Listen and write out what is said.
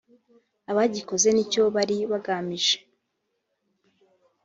abagikoze n ’icyo bari bagamije